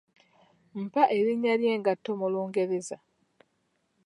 Mpa erinnya ly'engatto mu Lungereza?